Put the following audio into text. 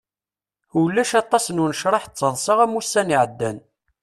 Ulac aṭas n unecraḥ d taḍsa am ussan iɛeddan.